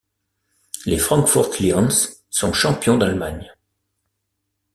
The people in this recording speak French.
Les Frankfurt Lions sont champions d'Allemagne.